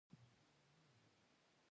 دا روښانه دی